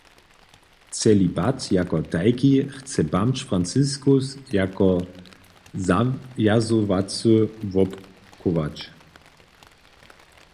Celibat jako tajki chce bamž Franciskus jako zawjazowacy wobchować.